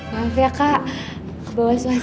maaf ya kak bawa suasana soalnya